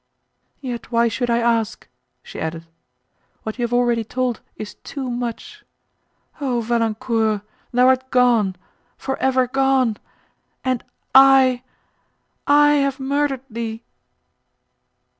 "Yet why should I ask?" she added; "what you have already told is too much. O Valancourt! thou art gone—for ever gone! and I—I have murdered thee!"